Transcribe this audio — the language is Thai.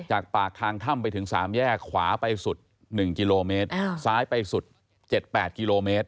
จากปากทางถ้ำไปถึงสามแยกขวาไปสุดหนึ่งกิโลเมตรซ้ายไปสุดเจ็ดแปดกิโลเมตร